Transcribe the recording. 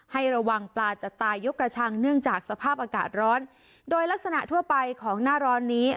ให้ระวังปลาจะตายยกกระชังเนื่องจากสภาพอากาศร้อนโดยลักษณะทั่วไปของหน้าร้อนนี้